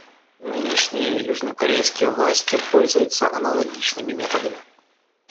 Нынешние южнокорейские власти пользуются аналогичными методами.